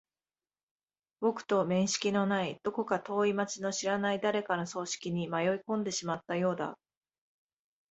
僕と面識のない、どこか遠い街の知らない誰かの葬式に迷い込んでしまったようだ。